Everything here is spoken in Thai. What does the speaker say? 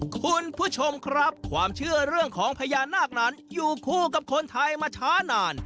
คุณผู้ชมครับความเชื่อเรื่องของพญานาคนั้นอยู่คู่กับคนไทยมาช้านาน